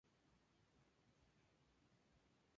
Este aminoácido se encuentra en las proteínas del chicle.